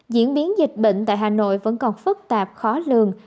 diễn biến dịch bệnh tại hà nội vẫn còn phức tạp khó lường